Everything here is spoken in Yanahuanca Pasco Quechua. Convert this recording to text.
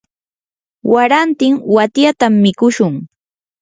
warantin watyatam mikushun.